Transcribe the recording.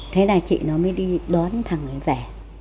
thế là chị nó mới đi đón thằng ấy về